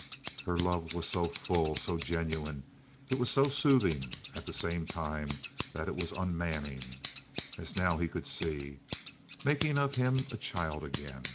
Her love was so full—so genuine. It was so soothing at the same time that it was unmanning, as now he could see, making of him a child again.